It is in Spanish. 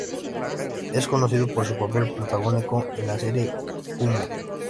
Es conocido por su papel protagónico en la serie "Jumong.